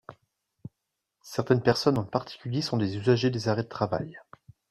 Certaines personnes, en particulier, sont des usagers des arrêts de travail.